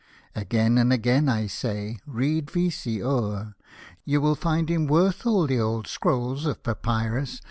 Again and again I say, read V — sey o'er ;— You will find him worth all the old scrolls of papyrus.